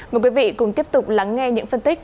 mời quý vị cùng tiếp tục lắng nghe những phân tích